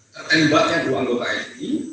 tertembaknya dua anggota fpi